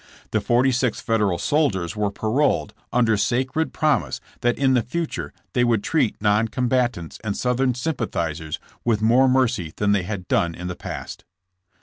The forty six Federal soldiers were paroled under sacred promise that in the future they would treat non combatants and Southern sym pathizers with more mercy than they had done in the past.